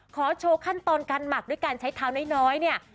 ขอโชว์ขั้นตอนการหมักด้วยการใช้เท้าน้อยเนี่ย